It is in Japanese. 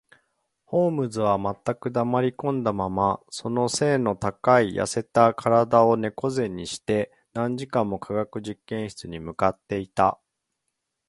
ホームズは全く黙りこんだまま、その脊の高い痩せた身体を猫脊にして、何時間も化学実験室に向っていた